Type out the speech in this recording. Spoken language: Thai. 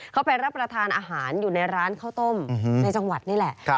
เขาไปรับประทานอาหารอยู่ในร้านข้าวต้มในจังหวัดนี่แหละ